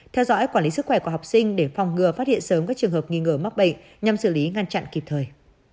theo dõi quản lý sức khỏe của học sinh để phòng ngừa phát hiện sớm các trường hợp nghi ngờ mắc bệnh nhằm xử lý ngăn chặn kịp thời